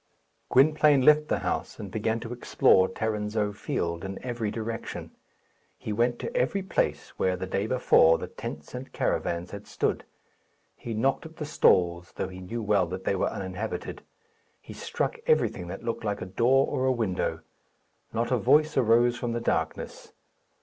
Gwynplaine left the house, and began to explore Tarrinzeau Field in every direction. He went to every place where, the day before, the tents and caravans had stood. He knocked at the stalls, though he knew well that they were uninhabited. He struck everything that looked like a door or a window. Not a voice arose from the darkness.